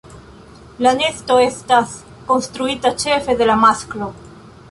La nesto estas konstruita ĉefe de la masklo.